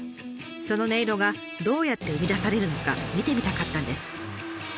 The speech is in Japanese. その音色がどうやって生み出されるのか見てみたかったんです。